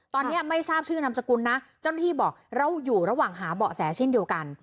ตอนนี้ไม่ทราบชื่อนามสกุลนะเจ้าหน้าที่บอกเราอยู่ระหว่างหาเบาะแสเช่นเดียวกัน